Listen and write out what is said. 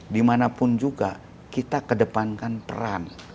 dimanapun juga kita kedepankan peran